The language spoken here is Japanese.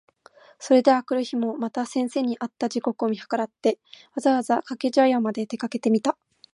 それで翌日（あくるひ）もまた先生に会った時刻を見計らって、わざわざ掛茶屋（かけぢゃや）まで出かけてみた。